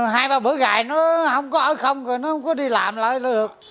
hai ba bữa ngày nó không có ở không rồi nó không có đi làm lại nữa được